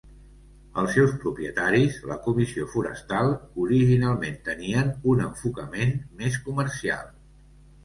Els seus propietaris, la Comissió Forestal, originalment tenien un enfocament més comercial.